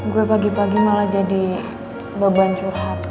gue pagi pagi malah jadi beban curhat